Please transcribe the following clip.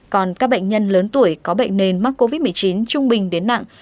còn các bệnh nhân lớn tuổi có bệnh nền mắc covid một mươi chín trung bình đến nặng